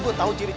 ini udah naik deh